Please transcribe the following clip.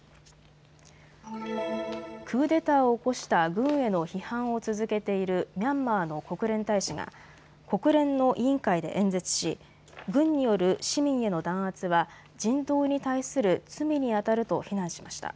クーデターを起こした軍への批判を続けているミャンマーの国連大使が国連の委員会で演説し軍による市民への弾圧は人道に対する罪にあたると非難しました。